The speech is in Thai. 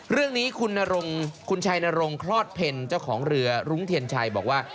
เรื่องนี้คุณชัยนรงคลอดเพ็ญเจ้าของเรือรุ้งเทียนชัยบอกว่า